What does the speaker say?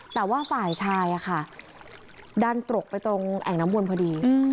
แต่ว่าฝ่ายชายดันตกไปตรงแอ่งน้ำวนพอดี